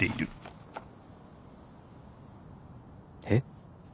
えっ？